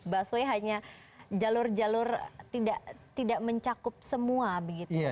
busway hanya jalur jalur tidak mencakup semua begitu